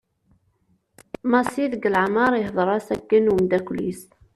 Massi deg leɛmer ihder-as-d akken umddakel-is.